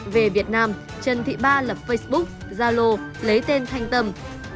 về việt nam trần thị ba lập facebook gia lô lấy tên thanh tâm